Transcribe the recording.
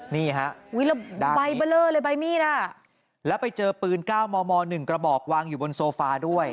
นี่ครับด้านนี้แล้วไปเจอปืน๙ม๑กระบอกวางอยู่บนโซฟาด้วย